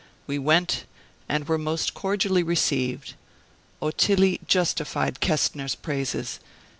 "We went, and we were most cordially received. Ottilie justified Kestner's praises.